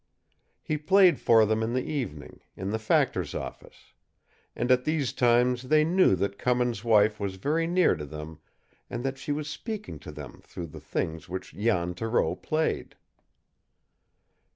He played for them in the evening, in the factor's office; and at these times they knew that Cummins' wife was very near to them and that she was speaking to them through the things which Jan Thoreau played.